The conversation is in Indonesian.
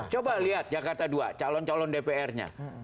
coba lihat jakarta dua calon calon dpr nya